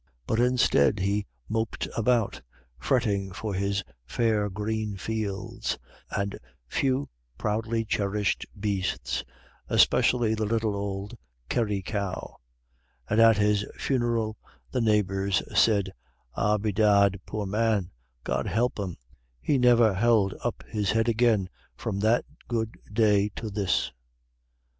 But instead he moped about, fretting for his fair green fields, and few proudly cherished beasts, especially the little old Kerry cow. And at his funeral the neighbors said, "Ah, bedad, poor man, God help him, he niver held up his head agin from that good day to this."